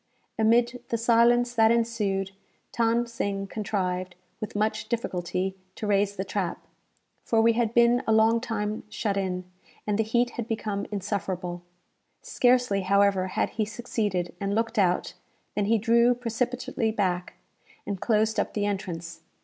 Amid the silence that ensued, Than Sing contrived, with much difficulty, to raise the trap; for we had been a long time shut in, and the heat had become insufferable. Scarcely, however, had he succeeded, and looked out, than he drew precipitately back, and closed up the entrance.